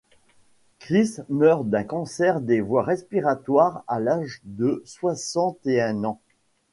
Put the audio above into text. Kriss meurt d'un cancer des voies respiratoires à l'âge de soixante-et-un ans.